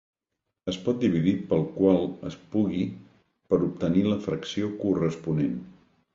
Es pot dividir pel qual es pugui per obtenir la fracció corresponent.